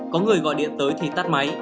có người gọi điện tới thì tắt máy